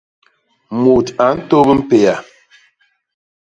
Mut a ntôp mpéa.